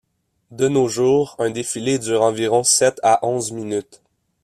De nos jours, un défilé dure environ sept à onze minutes.